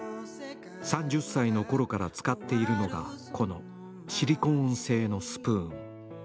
３０歳のころから使っているのがこのシリコーン製のスプーン。